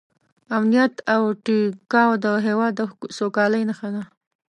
امنیت او ټیکاو د هېواد د سوکالۍ نښه ده.